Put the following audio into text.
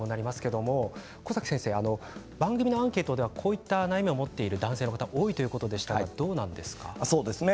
番組のアンケートではこういった悩みを持っている男性の方が多いということですがどうですか？